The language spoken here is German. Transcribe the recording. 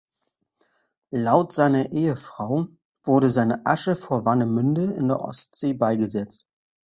Laut seiner Ehefrau wurde seine Asche vor Warnemünde in der Ostsee beigesetzt.